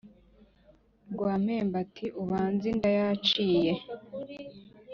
rwampembwe ati " urubanza inda yaciye